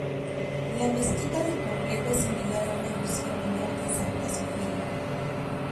La mezquita del complejo es similar a una versión menor de Santa Sofía.